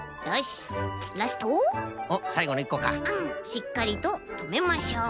しっかりととめましょう。